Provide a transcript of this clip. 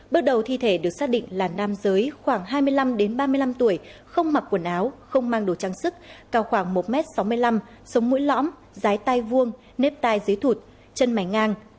bước đầu thi thể được xác định là nam giới khoảng hai mươi năm ba mươi năm tuổi không mặc quần áo không mang đồ trang sức cao khoảng một m sáu mươi năm sống mũi lõm rái tai vuông nếp tai dưới thụt chân mày ngang